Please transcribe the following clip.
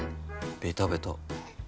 ベタベタ。